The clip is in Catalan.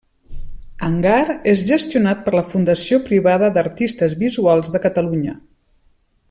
Hangar és gestionat per la Fundació Privada d'Artistes Visuals de Catalunya.